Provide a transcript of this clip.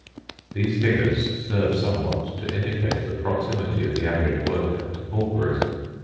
These figures serve somewhat to indicate the proximity of the average worker to pauperism.